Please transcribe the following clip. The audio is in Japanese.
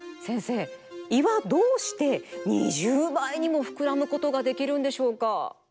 せんせい胃はどうして２０ばいにもふくらむことができるんでしょうか？